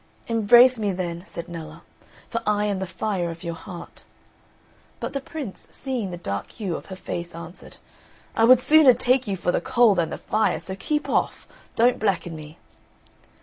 "Embrace me then," said Nella, "for I am the fire of your heart." But the Prince seeing the dark hue of her face answered, "I would sooner take you for the coal than the fire, so keep off don't blacken me."